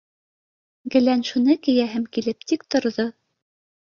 Гелән шуны кейәһем килеп тик торҙо.